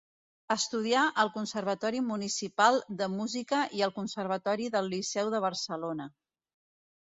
Estudià al Conservatori Municipal de Música i al Conservatori del Liceu de Barcelona.